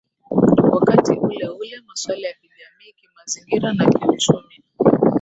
wakati uleule maswala ya kijamii kimazingira na kiuchumi